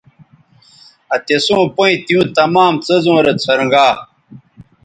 آ تِسوں پیئں تیوں تمام څیزوں رے څھنرگا